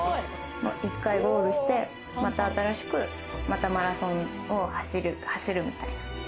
１回ゴールして、また新しくまたマラソンを走るみたいな。